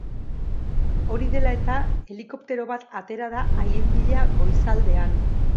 Hori dela eta, helikoptero bat atera da haien bila goizaldean.